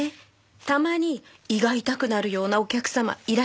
たまに胃が痛くなるようなお客様いらっしゃいます。